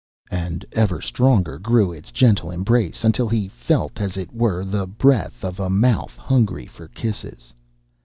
And ever stronger grew its gentle embrace, until he felt, as it were, the breath of a mouth hungry for kisses...